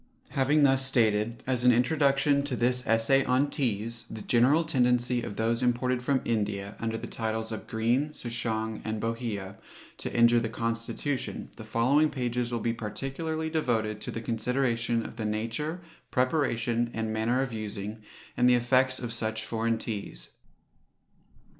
Having thus stated, as an Introduction to this Essay on Teas, the general tendency of those imported from India, under the titles of Green, Souchong, and Bohea, to injure the constitution, the following pages will be particularly devoted to the consideration of the nature, preparation, and manner of using, and the effects of such foreign teas.